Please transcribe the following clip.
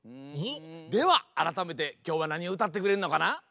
ではあらためてきょうはなにをうたってくれるのかな？